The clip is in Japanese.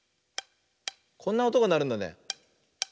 こんなおとがなるんだね。